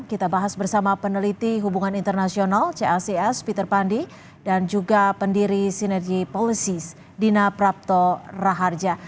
kita bahas bersama peneliti hubungan internasional cacs peter pandi dan juga pendiri sinergi polisis dina prapto raharja